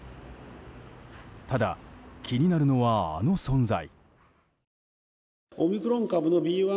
ただ、気になるのはあの存在。